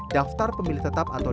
daftar pemilik tetap atau